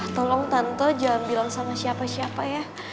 tolong tante jangan bilang sama siapa siapa ya